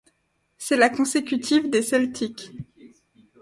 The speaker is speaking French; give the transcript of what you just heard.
C'est la consécutive des Celtics.